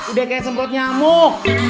udah kayak semprot nyamuk